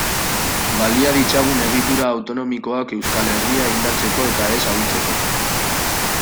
Balia ditzagun egitura autonomikoak Euskal Herria indartzeko eta ez ahultzeko.